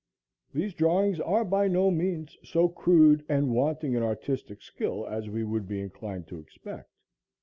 These drawings are by no means so crude and wanting in artistic skill as we would be inclined to expect.